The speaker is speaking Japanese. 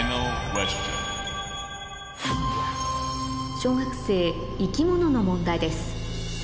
小学生生き物の問題です